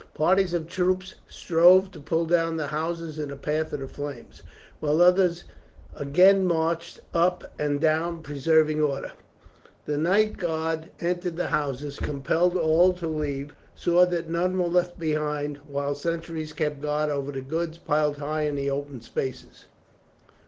Parties of troops strove to pull down the houses in the path of the flames, while others again marched up and down preserving order. The Night Guard entered the houses, compelled all to leave, and saw that none were left behind; while sentries kept guard over the goods piled high in the open spaces.